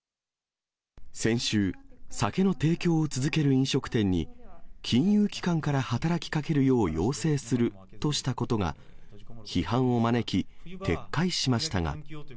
先週、酒の提供を続ける飲食店に、金融機関から働きかけるよう要請するとしたことが、批判を招き、撤回しましたが。